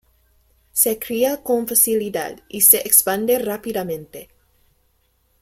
Se cría con facilidad y se expande rápidamente.